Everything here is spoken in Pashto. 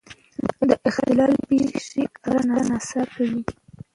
د اختلال پېښې اکثره ناڅاپي وي.